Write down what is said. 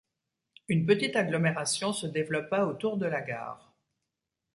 Une petite agglomération se développa autour de la gare.